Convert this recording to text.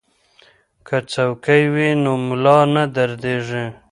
که څوکۍ وي نو ملا نه دردیږي.